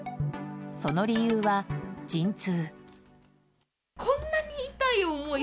その理由は、陣痛。